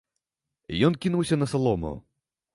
Ён кінуўся на салому.